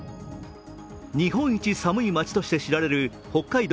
日本一寒い町として知られる北海道